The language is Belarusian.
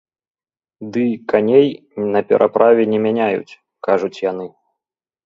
Дый каней не пераправе не мяняюць, кажуць яны.